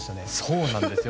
そうなんですよ。